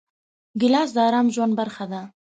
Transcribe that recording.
ګیلاس د ارام ژوند برخه ده.